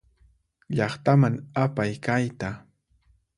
Llaqtaman apay kayta.